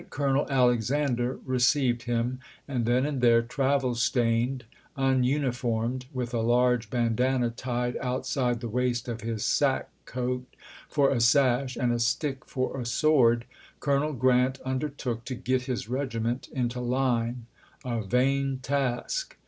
^ Lieutenant Colonel Alexander received him ; and then and there, travel stained, ununiformed, with a large bandana tied outside the waist of his sack coat for a sash, and a stick for a sword, Colonel Grant undertook to get his regiment into line — a vain task.